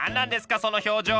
その表情！